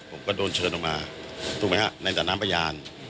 ผมก็โดนเชิญออกมาถูกมั้ยครับในนั้นแต่น้ำพยาน